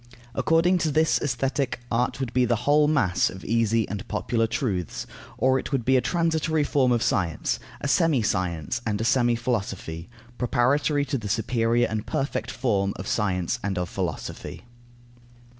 According to this Aesthetic, art would be the whole mass of easy and popular truths; or it would be a transitory form of science, a semi science and a semi philosophy, preparatory to the superior and perfect form of science and of philosophy.